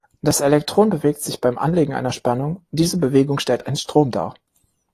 Das Elektron bewegt sich beim Anlegen einer Spannung, diese Bewegung stellt einen Strom dar.